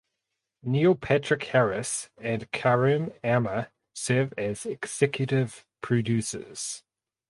Neil Patrick Harris and Karim Amer serve as executive producers.